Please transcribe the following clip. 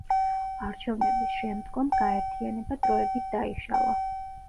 არჩევნების შემდგომ გაერთიანება დროებით დაიშალა.